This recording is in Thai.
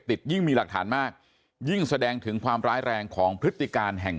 ยิ่งมีหลักฐานมากยิ่งแสดงถึงความร้ายแรงของพฤติการแห่ง